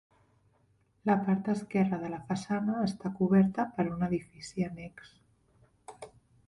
La part esquerra de la façana està coberta per un edifici annex.